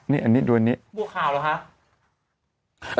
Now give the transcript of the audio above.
ดูอันนี้บัวขาวหรอคะ